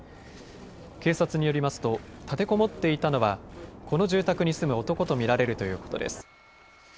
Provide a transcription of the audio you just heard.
警察によりますと、立てこもっていたのはこの住宅に住む男と見られるということです。